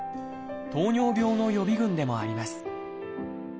糖尿病の予備群でもあります。